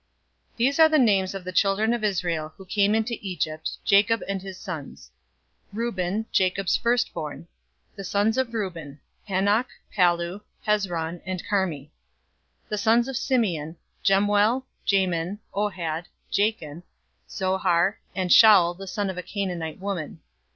046:008 These are the names of the children of Israel, who came into Egypt, Jacob and his sons: Reuben, Jacob's firstborn. 046:009 The sons of Reuben: Hanoch, Pallu, Hezron, and Carmi. 046:010 The sons of Simeon: Jemuel, Jamin, Ohad, Jachin, Zohar, and Shaul the son of a Canaanite woman.